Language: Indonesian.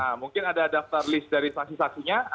nah mungkin ada daftar list dari saksi saksinya